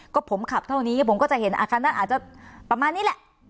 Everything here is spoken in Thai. ก็ผมขับเท่านี้ผมก็จะเห็นอาคารนั้นอาจจะประมาณนี้แหละ